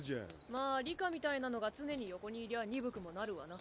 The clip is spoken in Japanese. まあ里香みたいなのが常に横にいりゃ鈍くもなるわな。